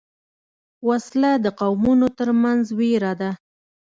وسله د قومونو تر منځ وېره ده